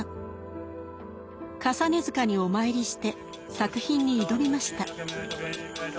累塚にお参りして作品に挑みました。